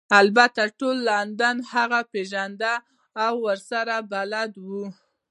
البته ټول لندن هغه پیژنده او ورسره بلد وو